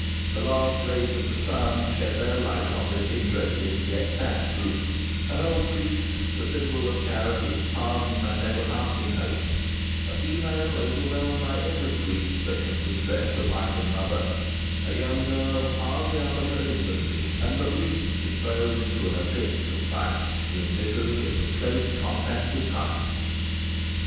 The last rays of the sun shed their light on this interesting yet sad group: An old priest, the symbol of charity, pardon, and everlasting hope; a female, overwhelmed by every grief that can distress a wife and mother; a young girl, hardly out of her infancy, and but recently thrown into an abyss of vice through misery and the close contact with crime.